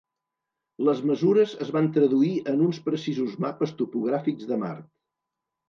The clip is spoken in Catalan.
Les mesures es van traduir en uns precisos mapes topogràfics de Mart.